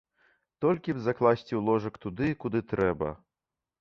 Толькі б закласці ў ложак туды, куды трэба.